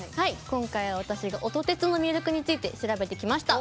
今回、私が音鉄の魅力について調べてきました。